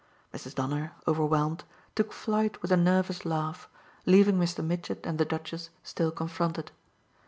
Mrs. Donner, overwhelmed, took flight with a nervous laugh, leaving Mr. Mitchett and the Duchess still confronted.